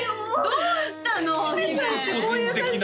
どうした？